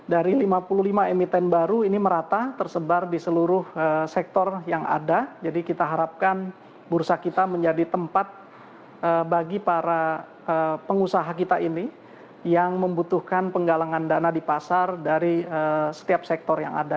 dari lima puluh lima emiten baru ini merata tersebar di seluruh sektor yang ada jadi kita harapkan bursa kita menjadi tempat bagi para pengusaha kita ini yang membutuhkan penggalangan dana di pasar dari setiap sektor yang ada